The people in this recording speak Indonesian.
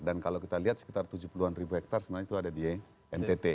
dan kalau kita lihat sekitar tujuh puluh an ribu hektare sebenarnya itu ada di ntt